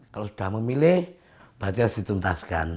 kalau sudah memilih berarti harus dituntaskan